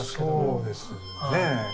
そうですね。